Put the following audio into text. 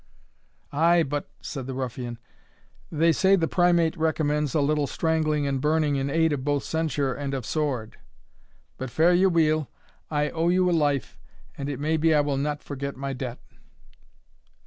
"Ay, but," said the ruffian, "they say the Primate recommends a little strangling and burning in aid of both censure and of sword. But fare ye weel, I owe you a life, and it may be I will not forget my debt."